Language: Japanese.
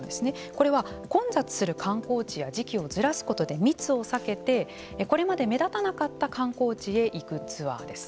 これは混雑する観光地や時期をずらすことで密を避けてこれまで目立たなかった観光地へ行くツアーです。